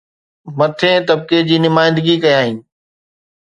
مٿئين طبقي جي نمائندگي ڪيائين